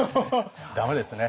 駄目ですね。